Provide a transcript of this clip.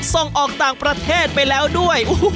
ส่งออกต่างประเทศไปแล้วด้วย